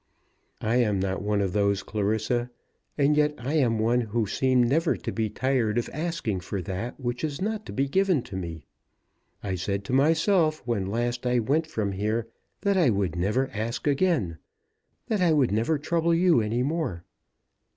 "I am not one of those, Clarissa. And yet I am one who seem never to be tired of asking for that which is not to be given to me. I said to myself when last I went from here that I would never ask again; that I would never trouble you any more."